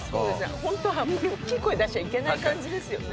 ホントはあんまりおっきい声出しちゃいけない感じですよね。